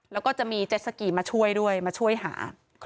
แล้วก็จะมีเจ็ดสกีมาช่วยด้วยมาช่วยหา